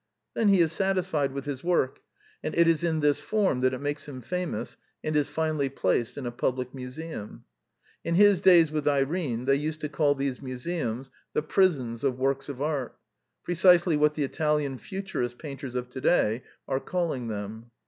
Then he is satisfied with his work; and it is in this form that it makes him famous and is finally placed in a public museum. In his days with Irene, they used to call these museums the prisons of works of art. Precisely what the Italian Futurist painters of today are calling them.